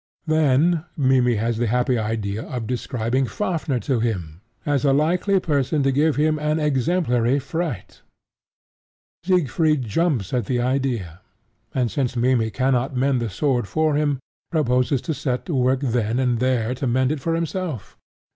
Then Mimmy has the happy idea of describing Fafnir to him as a likely person to give him an exemplary fright. Siegfried jumps at the idea, and, since Mimmy cannot mend the sword for him, proposes to set to work then and there to mend it for himself.